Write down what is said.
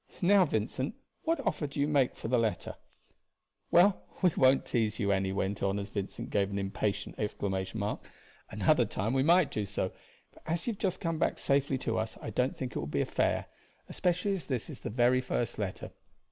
"Now, Vincent, what offer do you make for the letter? Well, we won't tease you," Annie went on as Vincent gave an impatient exclamation. "Another time we might do so, but as you have just come safely back to us I don't think it will be fair, especially as this is the very first letter.